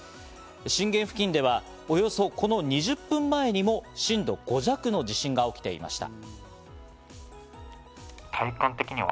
震源付近ではおよそ２０分前にも震度５弱の地震が起きていました。